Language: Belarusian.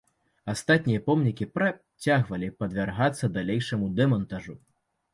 Астатнія помнікі працягвалі падвяргацца далейшаму дэмантажу.